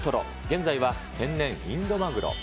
現在は天然インドマグロ。